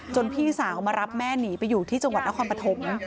พี่สาวมารับแม่หนีไปอยู่ที่จังหวัดนครปฐม